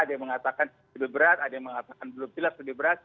ada yang mengatakan lebih berat ada yang mengatakan belum jelas lebih berat